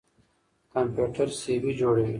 کمپيوټر سي وي جوړوي.